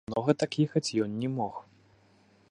Многа так ехаць ён не мог.